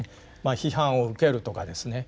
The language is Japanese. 批判を受けるとかですね